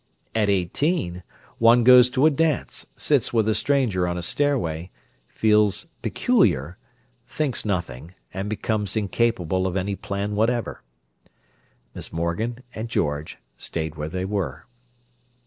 At eighteen, one goes to a dance, sits with a stranger on a stairway, feels peculiar, thinks nothing, and becomes incapable of any plan whatever. Miss Morgan and George stayed where they were.